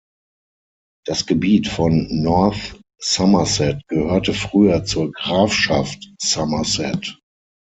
Das Gebiet von North Somerset gehörte früher zur Grafschaft Somerset.